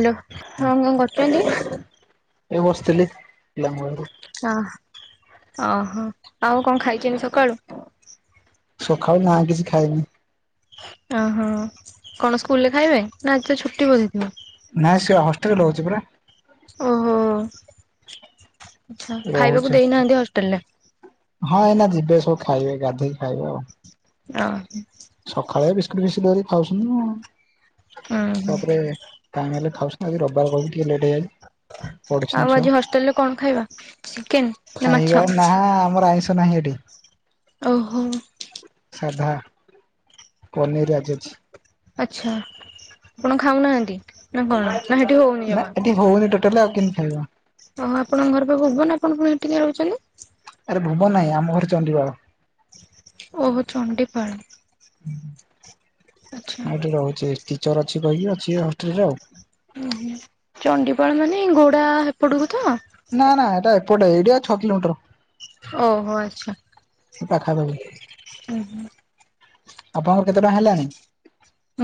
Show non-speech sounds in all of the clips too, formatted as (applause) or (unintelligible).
Hello ହଁ କଣ କରୁଛନ୍ତି? ଏ ବସିଥିଲି ପିଲାଙ୍କ ପାଖରେ। ଅ ଓହୋ ଆଉ କଣ ଖାଇଛନ୍ତି ସଖାଳୁ? ସଖାଳୁ ନାଁ କିଛି ଖାଇନି। ଓହୋ କଣ ସ୍କୁଲରେ ଖାଇବେ ନା ଆ ଛୁଟି ବାଜିଥିଲେ? ନା ସିଏ ହଷ୍ଟେଲ୍ ରେ ରହୁଛି ପରା। ଓହୋ ଆଚ୍ଛା ରହୁଛି ଖାଇବାକୁ ହଷ୍ଟେଲ ଦେଇନାହାନ୍ତି ହଷ୍ଟେଲ୍ ରେ। ହଁ ଏଇନା ଯିବେ ସବୁ ଖାଇବେ ଗାଧେଇ କି ଖାଇବେ ଆଉ। ଅହ। ସକାଳେ ବିସ୍କିଟ୍ ଫିସ୍କିଟ୍ କରି ଖାଉଚନ୍ତି ଆଉ ଉହୁଁ ତାପରେ ଟାଇମ୍ ହେଲେ ଖାଉଚୁ ତାପରେ ରବିବାର କହିକି ଟିକେ ଲେଟ୍ ହେଇଗଲେ ହ ଆଉ ଆଜି ହଷ୍ଟେଲ୍ ରେ କଣ ଖାଇବା ଚିକେନ୍‌ ନା ଖାଇବା ମାଛ? ନା ଆମର ଆଇଁଷ ନାହିଁ ଏଠି ଓହୋ। ସାଧା ପନିର୍ ଆଜି ଅଛି। ଆଚ୍ଛା ଆପଣ ଖାଉନାହାନ୍ତି ନା କଣ। ଯାଇଁକି ଟିକେ ଓ ନା ଏଠି ହୋଉନି ଟୋଟାଲି ଆଉ କେମତି ଖାଇବ। ହଁ ଆପଣଙ୍କ ଘର ପା ଭୁବନ ଆପଣ କଣ ଏଠି ରହୁଛନ୍ତି? ଆରେ ଭୁବନ ନାହିଁ ଆମ ଘର ଚଣ୍ଡିପାଳ। ଓହୋ ଚଣ୍ଡିପାଳ। ହୁଁ। ଆଛା। ଏଠି ରହୁଛି ଟିଚର ଅଛି କହିକି ଅଛି ହଷ୍ଟେଲରେ ଆଉ। ଉଁ ହୁଁ ଚଣ୍ଡିପାଳ ମାନେ ଗୋଡା ହେପଟୁକୁ ତ। ନା ନା ଏଟା ଏପଟେ ଏଇଠୁ ଆଉ ଛଅ କିଲୋମିଟର। ଓହୋ ଆଚ୍ଛା ପାଖାପାଖି ଉଁ ହୁଁ। ଆପଣଙ୍କର କେତେ ଟଙ୍କା ହେଲାଣି?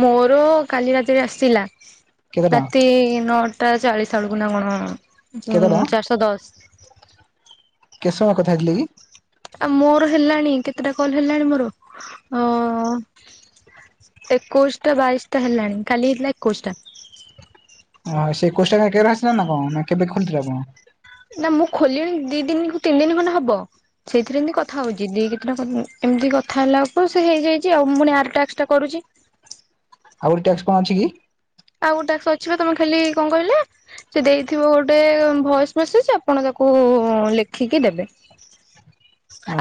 ମୋର କାଲି ରାତିରେ ଆସିଲା। କେତେ ଟଙ୍କା ରାତି ନଅଟା ଚାଳିଶାଳୁକୁ ନା କଣ ଉଁ କୁଁ କେତେ ଟଙ୍କା ଚାରିଶ ଦଶ। କେତ୍ ସମୟ କଥା ହେଇଥିଲେ କି? ଆ ମୋର ହେଲାଣି କେତେଟା କଲ୍ ହେଲାଣି ମୋର। (inaudible) ଏକୋଉଶଟା ବାଇଶଟା ହେଲାଣି କାଲି ହେଇଥିଲା ଏକୋଇଶଟା। ଓଁ ସେ ଏକୋଇଶଟା (unintelligible) ଆସିଲା ନା କଁ ନା କେବେ ଖୋଲିଥିଲେ ଆପଣ? ନା ମୁଁ ଖୋଲିଣି ଦି ଦିନିକୁ ତିନ ଦିନ ଖଣ୍ଡେ ହବ। ଛେଇଥିରେ ଇନ୍ତି କଥା ହଉଚି ଦି କେତେଟା କ ଉଁ ଏମତି କଥା ହେଲାକୁ ସେ ହେଇଯାଇଚି ଆଉ ମୁଁ ପୁଣି ଆର ଟାକ୍ସଟା କରୁଚି। ଆଉ ଗୋଟେ ଟ୍ୟାକ୍ସ କଣ ଅଛି କି? ଆଉ ଗୋଟେ ଟାକ୍ସ ଅଛି ବା ତମେ ଖାଲି କଁ କହିଲେ ସିଏ ଦେଇଥିବ ଗୋଟେ ଭଏସ୍ ମେସେଜ ଆପଣ ତାକୁ ଲେଖିକି ଦେବେ।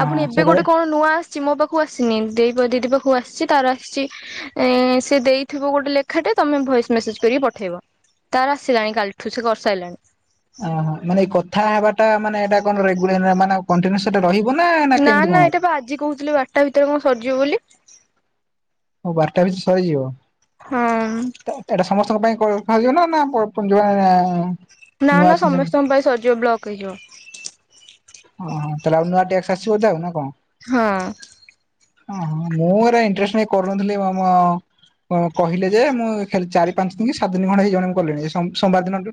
ଆଉ ଫୁଣି ଏବେ ଗୋଟେ ସେଟାରେ କଣ ନୂଆ ଆସଚି ମୋ ପାଖୁକୁ ଆସିନି ଦେଇ ପା ଦିଦି ପାଖୁକୁ ଆସଚି ତାର ଆସଚି ଏଁ ସିଏ ଦେଇଥିବ ଗୋଟେ ଲେଖାଟେ ତମେ ଭଏସ୍ ମେସେଜ କରିକି ପଠେଇବ ତାର ଆସିଲାଣି କାଲିଠୁ ସିଏ କରସାଇଲାଣି। ଓହୋ ମାନେ ଏଇ କଥା ହେବାଟା ମାନେ ଏଇଟା କନ ରେଗୁଲାର ମାନେ ଆଉ କଣ୍ଟିନିଓସ୍ ସେଟା ରହିବ ନା କେମତି କଣ? ତ ଆଜି କହୁଥିଲେ ବାର୍ ଟା ଭିତେରେ କଁ ସରିଯିବ ବୋଲି। ଓ ବାରଟା ଭିତେ (unintelligible) ସରିଯିବ। ହଁ। ଏ ଏଟା ସମସ୍ତଙ୍କ ପାଇଁ କୋ କୁହାଯିବ ନା ନା ପୋ ପୋ ଯୋଉଁ ଆଁ ଆଁ ନା ନା ସମସ୍ତଙ୍କ ପାଇଁ ସରଯିବ ବ୍ଲକ୍ ହେଇଯିବ। ଓହୋ ତାହେଲେ ଆଉ ନୂଆ ଟ୍ୟାକ୍ସ ଆସିବ ବୋଧେ ଆଉ ନା କଁ। ହଁ। ଓହୋ ମୁଁ ଏରା ଇଣ୍ଟରେଷ୍ଟ୍ ନେଇକି କରୁନଥିଲି ମୋ ମୋ କଁ କହିଲେ ଯେ ମୁଁ ଖାଲି ଚାରି ପାଞ୍ଚ ଦିନ କି ସାତ ଦିନ ଖଣ୍ଡେ ହେଇଯିବଣି ମୁଁ କଲିଣି ଏଇ ସୋମ୍ ସୋମବାର ଦିନଠୁ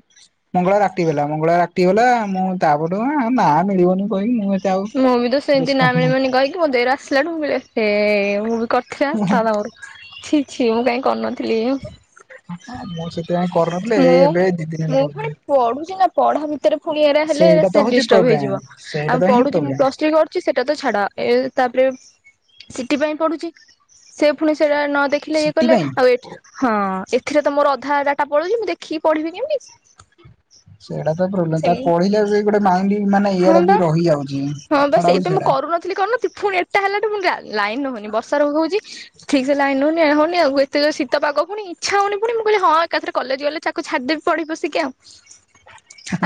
ମଙ୍ଗଳବାର ରାତି ଗଲା ମଙ୍ଗଳବାର ରାତି ଗଲା ମୁଁ ତାପରଠୁ ଉଁ ନାଁ ମିଳିବନି କହିଲି ମୁଁ ଏତେ ଆଉ ମୁଁ ବି ତ ସିରିୟସ୍ ସେନ୍ତି ନା କରିନାହିଁ ମିଳିବନି କହିକି ମୋ ଦେଇର ଆସିଲା ଠୁ ମୁଁ କହିଲି ଏ ହେ ଭୁଲ୍ କ (unintelligible) ଛି ଛି ମୁଁ କାଇଁ କରିନଥିଲି। ମୁଁ ସେଥିପାଇଁ କରୁନଥିଲି ଏଇ ମୁଁ ଏବେ ଦି ଦିନ ହେଲା ମୁଁ କରୁଛି। ଫୁଣି ପଢୁଚି ନା ପଢା ଭି ତେରେ ଫୁଣି ଏରା ହେଲେ ସେଇଟା ତ ସିଏ ହଉଛି ଡିଷ୍ଟର୍ବ ପ୍ରୋବ୍ଲେମ ହେଇଯିବ ସେଇଟା ଆଉ ତ ହିଁ ପଢୁଚି ମୁଁ ପ୍ରୋବ୍ଲେମ ପ୍ଲସ୍ ଥ୍ରି କରୁଚି ସେଟା ତ ଛାଡା ଏ ତାପରେ ସିିଟି ପାଇଁ ପଢୁଚି ସେ ଫୁଣି ସେଟା ନ ଦେଖିଲେ ଇଏ ସିଟି କଲେ ପାଇଁ ଆଉ ଏଇଟା ହଁ ଏଥିରେ ତ ମୋର ଅଧା ଡାଟା ପଳଉଚି ମୁଁ ଦେଖିକି ପଢିବି କେମତି। ସେଇଟା ତ ପ୍ରୋବ୍ଲେମ୍ ତା ପଢିଲେ ବି ଗୋଟେ ମାଇଣ୍ଡି ମାନେ ହଁ ଇଆଡେ ବା ବି ରହିଯାଉଚି କଥାଟା ହଉଚି ସେଟା। ଥିଲି କରୁନଥି‌ ଫୁଣି ଏଟା ହେଲାଠୁ ଫୁଣି ଲା ଲାଇନ୍ ରହୁନି ବର୍ଷା ରହୁଚି। ଠିକ୍ ସେ ଲାଇନ୍ ରହୁନି ଇଏ ହଉନି ଆଉ ଏତେ ଜୋରେ ଶୀତ ପାଗ ଫୁଣି ଇଛା ହଉନି ଫୁଣି ମୁଁ କିହିଲି ହଁ ଏକାଥେରେ କଲେଜ ଗଲେ ଚାର୍ ଆକୁ ଛାଡିଦେବିି ପଢିବି ବସିକି ଆଉ।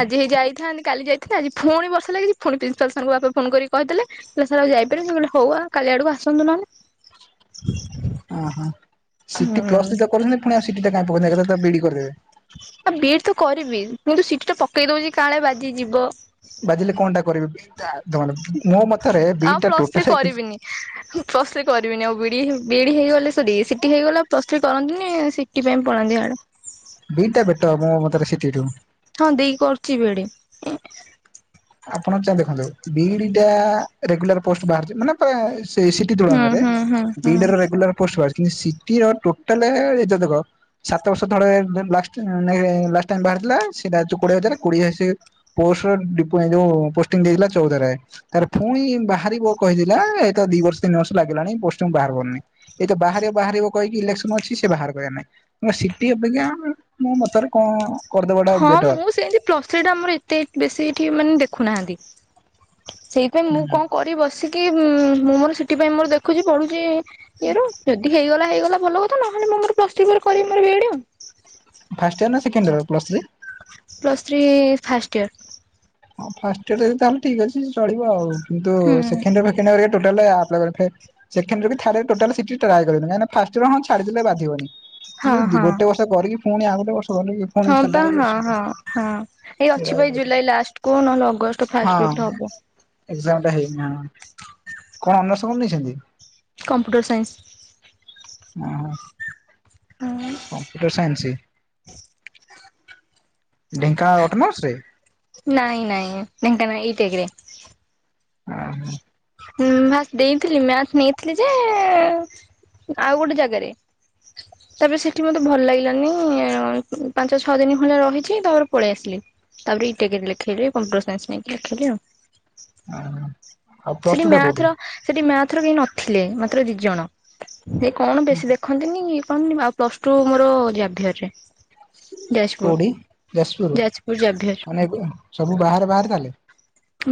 ଆଜି ହେଇ ଯାଇଥାନ୍ତି କାଲି ଯାଇଥିଲି ଆଜି ଫୁଣି ବର୍ଷା ଲାଗିଚି ଫୁଣି ପ୍ରିନ୍ସ୍ (unintelligible) ସାରଙ୍କୁ ବାପା ଫୋନ୍ କରିକି କହିଦେଲେ (unintelligible) ସାର୍ ଆଉ ଯାଇପାରିବିନି ସିଏ କହିଲେ ହଉ ଆ କାଲି ଆଡକୁ ଆସନ୍ତୁ ନହେଲେ। ଓହୋ ସିଟି ହୁଁ ପ୍ଲସଥ୍ରି ତ କରୁଛନ୍ତି ପୁଣି ଆଉ ସିଟିଟା କାଇଁ ପକଉଥିଲେ ଏକାଥରେ ତ ବି ଇ ଡି କରିଦେବେ। ଏ ବି ଇ ଡି ତ କରିବି କିନ୍ତୁ ସିଟିିଟା ପକେଇ ଦଉଚି କାଳେ ବାଜି ଯିବ। ବାଜିଲେ କଣଟା କରିବୁ (unintelligible) ମୋ ମତରେ ବି ଟା ଥ୍ରୀ ଟୋଟାଲେ କରିବିନି ହ ହୁଁ- ପ୍ଲସ୍ ଥ୍ରୀ କରିବିନି ଆଉ ବିଡ଼ି- ବିଇଡ଼ି ହେଇ- ହେଇଗଲେ ସରି ସିଟିି ହେଇଗଲେ ପ୍ଲସ୍ ଥ୍ରୀ କରନ୍ତିନି ସିଟିି ପାଇଁ ପଳାନ୍ତି ହିଆଡେ। ବିଇଡି ଟା ବେଟର୍ ହବ ମୋ ମତରେ ସିଟି ଠୁ। ହଁ ଦେଇ କରୁଚି ବିଇଡି। ଆପଣ ଚା- ଦେଖନ୍ତୁ ବିଇଡି ଟା ରେଗୁଲାର୍ ପୋଷ୍ଟ୍ ବାହାରୁଚି ମାନେ ପ୍ରାୟେ ସେଇ ସିଟି ହୁଁ ତୁଳନାରେ ହୁଁ ହୁଁ ହୁଁ ବିଇଡି ଟାର ରେଗୁଲାର ପୋଷ୍ଟ ବାହାରୁଚି କିନ୍ତୁ ସିଟିର ଟୋଟାଲେ ଏ ଯଉ ଦେଖ ସାତ ବର୍ଷ ତଳେ ଦେନ୍ ଲାଷ୍ଟ ନା ଲାଷ୍ଟ ଟାଇମ୍ ବାହାରିଥିଲା ସେଟା ହଉଚି କୋଡିଏ ହଜାର କୋଡିଏ ସେ ପୋଷ୍ଟ ଡିପୋ-ଏ ଯଉ ପୋଷ୍ଟିଙ୍ଗ୍ ଦେଇଥିଲା ଚଉଦରେ। ତାରେ ଫୁଣି ବାହାରିବ କହିିଥିଲା ଏତ ଦି ବର୍ଷ ତିନିବର୍ଷ ଲାଗିଲାଣି ପୋଷ୍ଟିଙ୍ଗ୍ ବାହାର କରୁନି। ଏଇତ ବାହାରିବ ବାହାରିବ କହିକି ଇଲେକ୍ସନ ଅଛି ସେ ବାହାର କରିବାର ନାଇଁ। ଅଁ-ସିଟି ଅପେକ୍ଷା ମୋ ମତରେ କଁ ହଁ ମୁଁ ସେମତି ପ୍ଲସ୍ ଥ୍ରୀ ଟା ଆମର ଏତେ ବେଶୀ ଏଠି ମାନେ ଦେଖୁନାହାନ୍ତି ସେ ମୁଁ କଣ କରିବି ବସିକି ମୁଁ ମୋର ସିଟି ପାଇଁ ମୋର ଦେଖୁଚି ପଢୁଚି ଇଏ ର ଯେତିକି ହେଇଗଲା ହେଇଗଲା ଭଲ କଥା ନହେଲେ ମୁଁ ମୋର ପ୍ଲସ୍ ଥ୍ରୀ ପରେ କରିବି ମୋର ବିଇଡି ଆଉ। ଫାଷ୍ଟ୍ ଇୟର୍ ନା second year plus three? Plus three first year. ହଁ ଫାଷ୍ଟ ଇୟର ଯଦି ତାହେଲେ ଠିକ୍ ଅଛି ଚଳିବ ଆଉ କିନ୍ତୁ ହୁଁ ସେଖେଣ୍ଡ୍ ଇୟର୍ ଫେକେଣ୍ଡ୍ ଇୟର୍ ଏ ଟୋଟାଲେ ଆପ୍ଲାଏ ସେକେଣ୍ଡ୍ ଇୟର କି ଥାଡ୍ ଇୟର ଟୋଟାଲ୍ ସିଟି ଟ୍ରାଏ କରିବନି କାଇଁ ନାଁ ଫାଷ୍ଟ୍ ଇୟର ହଁ ଛାଡିଦେଲେ ବାଧିବନି। ହଁ ହଁ ଗୋଟେ ବର୍ଷ କରିକି ଫୁଣି ଆଉ ଗୋଟେ ବର୍ଷ କରିକି ପୁଣି ହଁ ପା ଛାଡିଲା ବେଳକୁ ହଁ ଅସୁବିଧା -ହଁ -ହଁ ଏଇ ସେଇଟା ଅଛି ବା ଏଇ ହଉଛି କଥା। ଜୁଲାଇ ଲାଷ୍ଟ୍ କୁ ନହେଲେ ଅଗଷ୍ଟ୍ ହଁ ଏକ୍ଜାମ୍ ଟା ହେଇନି ନା କଣ ଅନର୍ସ କଣ ନେଇଚନ୍ତି? Computer science. (unintelligible) ହୁଁ। କମ୍ପ୍ୟୁଟର ସାଇନ୍ସ ଢେଙ୍କାନାଳ ଅଟୋନମସ୍ ରେ? ନାଇଁ ନାଇଁ ଢେଙ୍କା ନାଇଁ ଇଟେକ୍ ରେ। ଓହୋ। ହୁଁ- ମାଥ୍ ଦେଇଥିଲି ମ୍ୟାଥ୍ ନେଇଥିଲି ଯେ ଆଉ ଗୋଟେ ଜାଗାରେ। ତାପରେ ସେଠି ମତେ ଭଲ ଲାଗିଲାନି ପାଞ୍ଚ ଛଅ ଦିନ ଖଣ୍ଡେ ରହିଚି ତାପରେ ପଳେଇ ଆସିଲି। ତାପରେ ଇଟେକ୍ ରେ ଲେଖେଇଲି କମ୍ପୁଟର ସାଇନ୍ସ ନେଇକି ଲଖେଇଲି ଆଉ। ହଁ ସେଠି ମ୍ୟାଥ୍ ର ସେଠି ମ୍ୟାଥ୍ ର କେହି ନଥିଲେ ମାତ୍ର ଦି ଜଣ ସେ କଣ ବେଶୀ ଦେଖ ହନ୍ତିନି କଣ ଆଉ ପ୍ଲସ୍ ଟୁ ମୋର ଜାଭିଅର୍ ରେ। ଯାଜପୁର୍ କୋଉଠି ଯାଜପୁର -ଯାଜପୁର୍ ଜାଭିଅର୍। (unintelligible) ସବୁ ବାହାରେ ବାହାରେ ତାହାଲେ।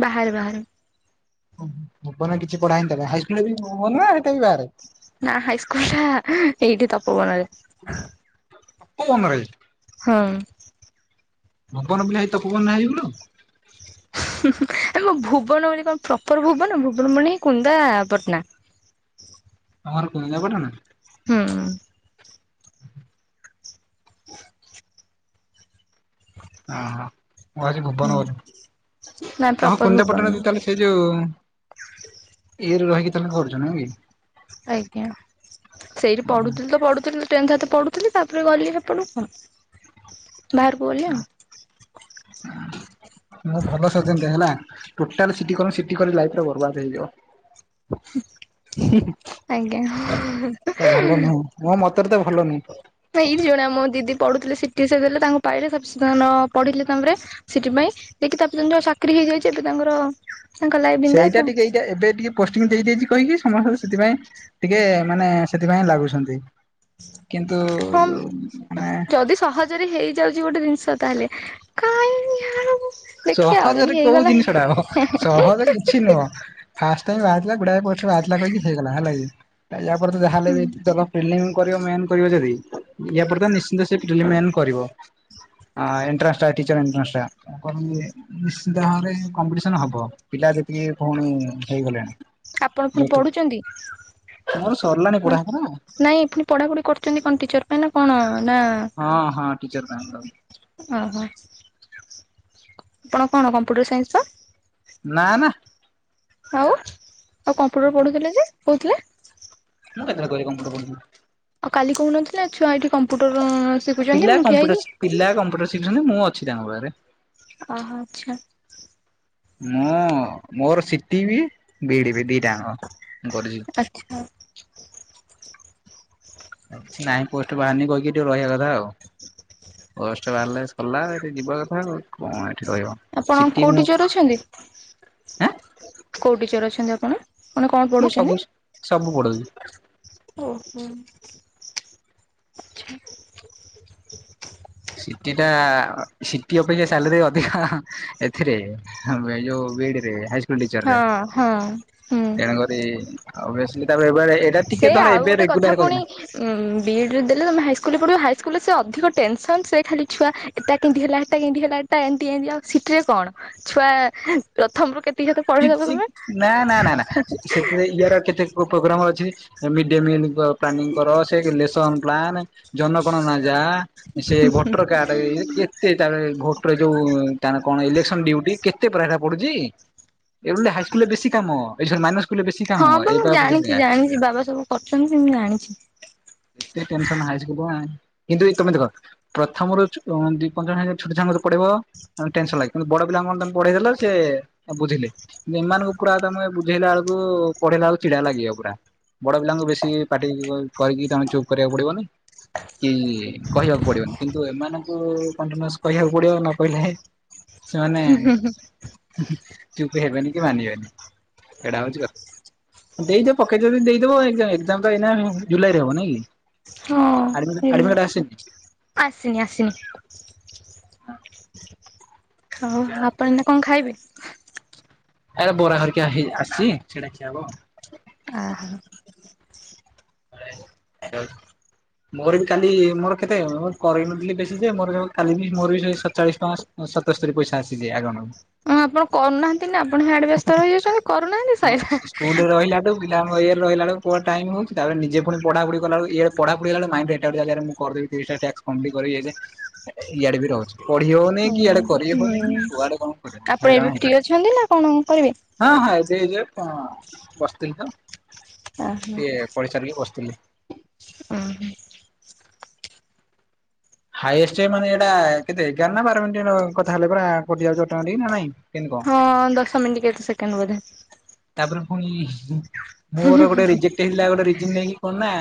ବାହାରେ ବାହାରେ। ଓ ହବନା କିଛି ପଢା ହେଇନି ତାହେଲେ ହାଇସ୍କୁଲ୍ ରେ ବି ହବନା ହେଟା ବି ବାହାରେ? ନା ହାଇସ୍କୁଲ୍ ଟା ଏଇଠି ତପବନ ରେ। ତପବନ ରେ? ହଁ। ଭବନ ପିଲା ହେଇ ତ (unintelligible) ଏ ମୁଁ ଭୁବନ ବୋଲି କଣ ପ୍ରପର ଭୁବନ- ଭୁବନ ମାନେ ଏଇ କୁନ୍ଦାପଟଣା। ତମର କୁନ୍ଦାପଟଣା? ହୁଁ। ହ ଓ ହୋ ମୁଁ ଭାବୁଚି ହୁଁ ଭୁବନ ବୋଧେ ନା ଓହ ପ୍ରପର କୁନ୍ଦା ଭୁବନ ପଟଣା ନୁହଁ। ଦେଇ ତାହେଲେ ସେ ଯଉ ଇଏରେ ରହିକି ତାହେଲେ କରୁଚ ନୁହେଁ କି? ଆଜ୍ଞା ସେଇଠି ପଢୁଥିଲି ତ ପଢୁଥିଲି ଟେନ୍ ହାତ ପଢୁଥିଲି ତାପରେ ଗଲି ହେପଟକୁ କଣ ବାହାର କୁ ଗଲି ଆଉ ମୁଁ ଭଲସେ (inaudible) ଟୋଟାଲ ସିଟି (inaudible) ସିଟି କଲେ ଲାଇଫ ଟା ବରବାଦ ହେଇଯିବ। (inaudible) ଆଜ୍ଞା ଏଟା ଭଲ (inaudible) ନୁହଁ ମୋ ମତରେ ତ ଭଲନୁ ଏଇଠି ଜଣେ ଆମ ଦିଦି ପଢୁଥିଲେ ସିଟି ସେ ଦେଲେ ତାଙ୍କୁ ପାଇଲେ ସେ ପଢିଲେ ତାମରେ ସିଟି ପାଇଁ ଯକି ତାପରେ ତା ଯଉ ଚାକିରି ହେଇଯାଇଛି ଏବେ ତାଙ୍କର ତାଙ୍କ ଲାଇଫ୍ ବିନ୍ଦାସ୍ ସେଇଟା ଆଉ। ଟିକେ ଏଇଟା ଏବେ ଟିକେ ପୋଂ ଦେଇଦେଇଛି କହିକି ସମସ୍ତେ ସେଥିପାଇଁ ଟିକେ ମାନେ ସେଥିପାଇଁ ଲାଗୁଛନ୍ତି କିନ୍ତୁ ମାନେ ଯଦ ହେଇଯାଉଛି ଗୋଟେ ଜିନିଷ ତାହେଲେ କାହିଁ ସହଜରେ କୋଉ ଜିନିଷ ଟା ହବ ସହଜ କିଛି ନୁହଁ ଫାଷ୍ଟ ଟାଇମ ବାହାରିଲା ଗୁଡାଏ ପୋ ଷ୍ଟ ବାହାଥିଲା କହିକି ହେଇଗଲା ହେଲାକି ୟା ପରେ ତ ଯାହା ହେଲେ ହୁଁ ବି ଦବ ପ୍ରିଲିମ୍ ମେନ୍ କରିବ ଯଦି ଇୟା ପରେ ତ ନିଶ୍ଚିତ ପ୍ରିଲିମ ମେନ୍ କରିବ। ହଁ ଏଣ୍ଟ୍ରେଷ୍ଟା ଟଚର ଏଣ୍ଟ୍ରଷ୍ଟଟା ନିଶ୍ଚିନ୍ତ ଭାବରେ କମ୍ପିସନ ହବ ପିଲା ଯେତିକି ପୁଣି ହେଇଗଲେଣି। ଆପଣ ପୁଣି ପଢୁଛନ୍ତି ତମର ସରିଲାଣି ମାନେ ବଢାପରା? ନାଇଁ ପୁଣି ପଢାପଢି କରୁଛନ୍ତି କଣ ଟିଚର ପାଇଁ ନା କଣ ନା ହଁ ହଁ ଟିଚର ପଡଉ ଓହୋ ଆପଣ କଣମ୍ପୁଟର ସାଇନ୍ସ ପା ନା ନା ଆଉ ଆଉ କମ୍ପ୍ୟୁଟର ପଢୁଥିଲେ ଯେ କହୁଥିଲେ। ମୁଁ କେତେ ବେଳେ କହିଲି କମ୍ପ୍ୟୁଟର ପଢୁଥିଲି। କାଲି କହୁ ନଥିଲେ ଛୁଆ ଏଇଠି କମ୍ପ୍ୟୁଟର ସି ପିଲା କମ୍ପ୍ୟୁଟର ପିଲା କମ୍ପ୍ୟୁଟର ଶିଖିଛନ୍ତି ମୁଁ ଅଛି ତାଙ୍କ ପାଖରେ। ଆ ଆଚଛା ମୁଁ ମୋର ସିଟି ବି ବିଡ ବି ଦିଟାଙ୍କ ମୁ କରିଚି। ଆଚ୍ଛା ନାଇଁ ପୋଷ୍ଟ ବାହାରି କହିକି ଟିକେ ରହିବା କଥା ଆଉ। (unintelligible) ପୋଷ୍ଟ ବାହାରିଲେ ସରିଲା ଏଠି ଯିବା କଥାଉ କଣ ଏଠି ରହିବ। ଆପଣ ସିଟି କୋଉ ମୁଁ ଟିଚର୍ ଅଛନ୍ତି ଆଁ କୋଉ ଟିଚର୍ ଅଛନ୍ତି ଆପଣ? ଆପଣ କଣ ମୁଁ ସବୁ ପଢୁଛନ୍ତି ସବୁ ପଢଉଛି ଓହୋ ସିଟି ଟା ସିଟି ଅପେକ୍ଷା ସାଲେରି ଅଧିକା ଏଥିରେ ଆମ ଏ ଯୋଉ ବିଇଡିରେ ହାଇସ୍ ସ୍କୁଲ ହଁ ଟିଚରରେ ହଁ ହୁଁ। ତେଣୁକରି ଓବିୟସଲି ତାପରେ (inaudible) ହେବାରେ ଏଇଟା ଟିକେ ଧର ଏବେ ରେଗୁଲାର କରିଦେଲା ଉ ବିଇଡରେ ଦେଲେ ତମେ ହାଇସ୍କୁଲରେ ପଢ଼ିବ ହାଇସ୍କୁରେ ସେ ଅଧିକ ଟେନସନ ସେ ଖାଲି ଛୁଆ ଏଟା କେମିତି ହେଲା ହେଟା କେମିତି ହେଲା ଏଟା ଏମିତି ଏମିତି ଆଉ ସିଟିରେ କଣ ଛୁଆ ପ୍ରଥମରୁ କେତେ କେତିକି ପଢେଇଦବ କିଛି ତମେ ନା ନା ନା ନା ସେଥିରେ ଇଆର କେତେ ଉ ପୋଗ୍ରାମ ଅଛି ମିଡ୍ ଡେ ମିଲ୍ ଙ୍କ ପ୍ଲାନିଂ କର ସେ ଇଲେକ୍ସନ ପ୍ଲାନ ଜନ ଗଣନା ଯା ସେ ଭୋଟର କାର୍ଡ କେତେ ତା ପରେ ଭୋଟରେ ଯୋଉ ତା ନା କଣ ଇଲେକ୍ସନ ଡ଼ିଉଟି କେତେ ପରା ହେରା ପଡୁଛି। ଏ ବଲେ ହାଇ ସ୍କୁଲରେ ବେଶି କାମ ଏ ଶରୀ ମାଇନର ସ୍କୁଲରେ ବେଶୀ କାମ ହଁ ବା ଏଇ ମୁଁ ଜାଣିଛି ପାଖ ଜାଣିଛି ବାବା ସବୁ କରୁଛନ୍ତି ମୁ ଜାଣିଛି। ଏତେ ଟେନସନ (inaudible) କିନ୍ତୁ ଏ ତମେ ଦେଖ ପ୍ରଥମରୁ ଚ ଦି ପଞ୍ଚମ୍ ଶ୍ରେଣୀରେ ଛୋଟ ଛୁଆଙ୍କର ଯୋଉ ପଡିବ ଆ ଟେନସନ ଲାଗେ କିନ୍ତୁ ବଡ ପିଲାଙ୍କୁ କଣ ତମେ ପଢେଇ ଦେଲ ସେ ବୁଝିଲେ କିନ୍ତୁ ଏମାନଙ୍କୁ ପୁରା ତମେ ବୁଝେଇଲା ଅଳକୁ ପଢେଇାଲା ଆଳକୁ ଚିଡ଼ା ଲାଗିବ ପୁରା ବଡ଼ ପିଲାଙ୍କୁ ବେଶୀ ପାଟି କରିକି ତମେ ଚୁପ୍ କରିବାକୁ ପଡ଼ିବନି କି କହିବାକୁ ପଡ଼ିବନି କିନ୍ତୁ ଏମାନଙ୍କୁ କଣ୍ଟିନିଅସ୍ କହିବାକୁ ପଡ଼ିବ ନ କହିଲେ (inaudible) ସେମାନେ ଚୁପ ହେବେନି କି ମାନିବେନି ଏଇଟା ହଉଛି କ ଦେଇଦିଅ ପକେଇଚ ଯଦି ଦେଇଦବ ଏକ୍ସା ଏକ୍ସାମ ତ ଏଇନା ଜୁଲାଇ ରେ ହବ ନାଇ କି? ହଁ ହେଲା। ଆଡମିଟ ଆସିନି? ଆସିନି ଆସିନି। ହଉ ଆପଣ ଏଇନା କଣ ଖାଇବେ? ଏ ବରା ଘରିକିଆ ହେଇ ଆସିଛି ସେଟା ଖିଆ ହବ। ଆଃ। (inaudible) ମୋର ବି କାଲି ମୋର କେତେ ମୋର କରେଇ ନଥିଲି ବେଶି ଯେ ମୋର କାଲି ବି ମୋର ବି ସେଇ ସତଚାଳିଶ ଟଙ୍କା ସତୋସ୍ତରି ପଇସା ଆସିଛି ଆଗଣ। ହଁ ଆପଣ କରୁନାହାନ୍ତି ନା ଆପଣ ହିଆଡେ ବ୍ୟସ୍ତ ରହିଯାଉଛନ୍ତି କରୁନାହାନ୍ତି ତ ହଁ ସଇଲା। ସ୍କୁଲରେ ରହିଲାଠୁ ପିଲାଙ୍କ ଇଏ ରେ ରହିଲା ବେଳକୁ କୁଆଡ଼େ ଟାଇମ ହୋଉଛି ତାପରେ ନିଜେ ପୁଣି ପଢ଼ା ପୁଢ଼ି କଲା ବେଳକୁ ୟାରେ ପଢ଼ା ପୁଢି଼ ହେଲା ବେଳକୁ ମାଇଣ୍ଡ ଏଟା ଗୋଟେ ଜାଗାରେ ମୁଁ କରିଦେବି ତିରିଶଟା ଟାସ୍କ କଂପ୍ଲିଟ କରିବି ଇଏ ସିଏ ଇଆଡ଼େ ବି ରହୁଛି। ପଢି଼ ହଉନି କି ହୁଁ ଇଆଡ଼େ କରି ହଉନି କି ହୁଁ କୁଆଡ଼େ କଣ କରିବ ଆପଣ ଏବେ ହଇରାଣ ଫ୍ରି ହଉଛି। ଅଛନ୍ତି ନା କଣ କରିବେ? ହଁ ହଁ ଏବେ ଯେ ବସିଥିଲି ତ। ଆଃ। ଏଇ ବସିଥିଲି। ଉଁ ହୁଁ। ହାଇଏଷ୍ଟ ମାନେ ଏଇଟା କେତେ ଏଗାର ନା ବାର ମିନିଟ୍ ନ କଥା ହେଲେ ପରା କରିଯାଉଛି ନା ନାଇଁ? କେମିତି କଣ? ହଁ ଦଶ ମିନିଟ୍ କେତେ ସେକେଣ୍ଡ ବୋଧେ। ତାପରେ ପୁଣି ଇ ହିଁ ମୋର ଗୋଟେ ରିଜେକ୍ଟ ହେଇଥିଲା ଗୋଟେ ରିଜିନ ନେଇକି କଣ ନା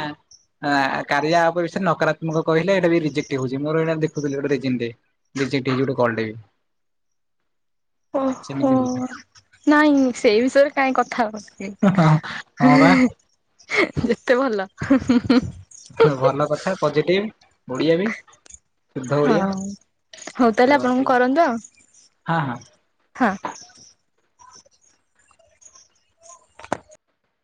କାରିଆ ଆପ ବିଷୟରେ ନକାରାତ୍ମକ କହିଲେ ଏଟା ବି ରିଜେକ୍ଟ ହଉଛି ମୋର ଏଇଟା ଦେଖୁଥିଲି ଗୋଟେ ରିଜିନ ଟେ। ରେଜେକ୍ଟ ହେଇଛି ଗୋଟେ କଲ୍ ଟେ ବି। ସେମିତି ହଉଛି। ଓହୋଃ। ନାଇଁ ସେଇ ବିଷୟରେ କାହିଁ କଥା ହବ କିଏ? ହଁ ବା ହିଁ। ଯେତେ ଭଲ। ହଉ ଭଲ କଥା ପଜିଟିଭ୍ ଓଡ଼ିଆ ବି। ଶୁଦ୍ଧ ଓଡିଆ। ହଁ, ହଉ ତାହେଲେ ଆପଣଙ୍କୁ କରନ୍ତୁ ଆଉ ହଁ ହଁ। ହଁ।